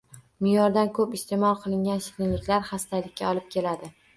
Me’yordan ko‘p iste’mol qilingan shirinliklar xastalikka olib keladi.